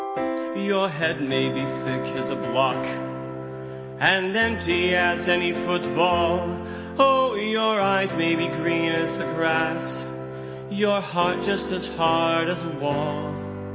3. Your head may be thick as a block, And empty as any foot ball, Oh! your eyes may be green as the grass Your heart just as hard as a wall.